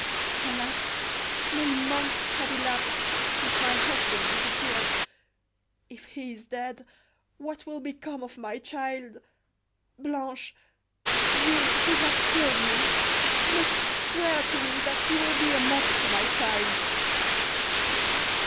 Alas! many months have elapsed since my husband disappeared. If he is dead, what will become of my child? Blanche, you, who have killed me, must swear to me that you will be a mother to my child!"